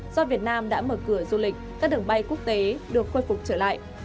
do việt nam đã mở cửa du lịch các đường bay quốc tế được khôi phục trở lại